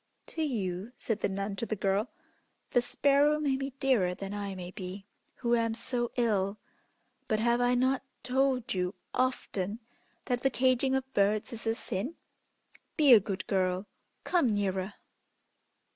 "To you," said the nun to the girl, "the sparrow may be dearer than I may be, who am so ill; but have I not told you often that the caging of birds is a sin? Be a good girl; come nearer!"